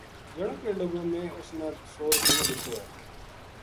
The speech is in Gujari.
جنو کہن لگو میں اُس نا سو رُپیو دتّو ہے